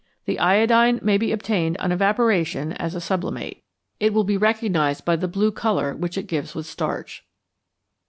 The iodine may be obtained on evaporation as a sublimate. It will be recognized by the blue colour which it gives with starch.